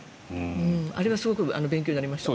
あれは勉強になりました。